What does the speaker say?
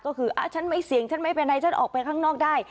ก็คือฉันไม่เสี่ยงฉันไม่เป็นไรฉันออกไปข้างนอกได้